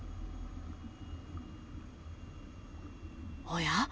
おや？